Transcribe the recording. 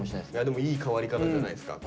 でもいい変わり方じゃないですか。